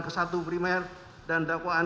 ke satu primer dan dakwaan